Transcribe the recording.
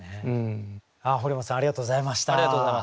堀本さんありがとうございました。